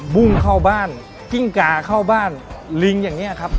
มุ่งเข้าบ้านกิ้งกาเข้าบ้านลิงอย่างนี้ครับ